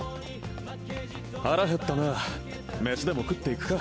腹減ったな飯でも食っていくか。